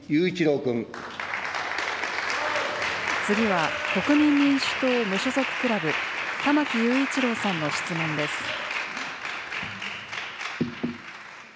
次は、国民民主党無所属クラブ、玉木雄一郎さんの質問です。